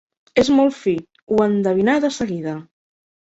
És molt fi: ho endevinà de seguida.